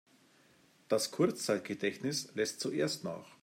Das Kurzzeitgedächtnis lässt zuerst nach.